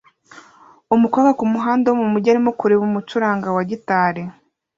Umukobwa kumuhanda wo mumujyi arimo kureba umucuranga wa gitari